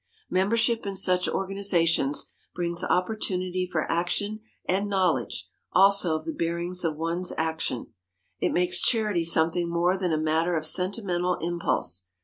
Membership in such organizations brings opportunity for action and knowledge also of the bearings of one's action. It makes charity something more than a matter of sentimental impulse.